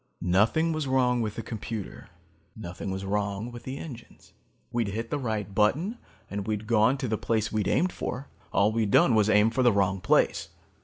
Nothing was wrong with the computer. Nothing was wrong with the engines. We'd hit the right button and we'd gone to the place we'd aimed for. All we'd done was aim for the wrong place.